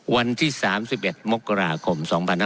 วันที่๓๑มกราคม